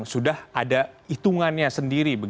sudah ada hitungannya sendiri